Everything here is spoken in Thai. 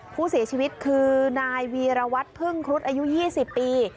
ผู้เสียชีวิตคือนายวีรวัตรพึ่งครุฑอายุ๒๐ปี